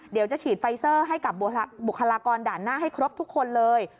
เดี๋ยวจะฉีดไฟเซอร์ให้กับบุคลากรด่านหน้าให้ครบทุกคนเลย